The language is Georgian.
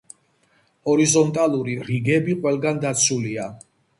ჰორიზონტალური რიგები ყველგან დაცულია.